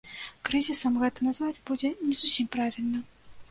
Крызісам гэта назваць будзе не зусім правільна.